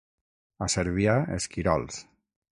A Cervià, esquirols.